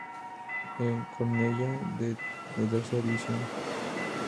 E. Cornellá de la Tercera División.